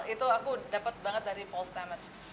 itu aku dapat banget dari paul stamats